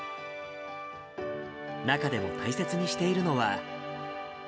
中でも大切にしているのは。